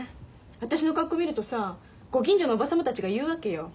私の格好見るとさご近所のおば様たちが言うわけよ。